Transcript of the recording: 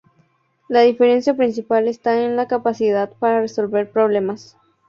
La diferencia principal está en la capacidad para resolver problemas.